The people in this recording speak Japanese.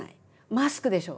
マスクでしょ。